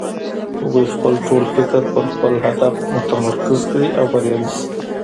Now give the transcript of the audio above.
هغوی خپل ټول فکر پر خپل هدف متمرکز کړي او بريالی شي.